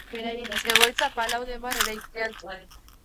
Egoitza Palau de Mar eraikinean du.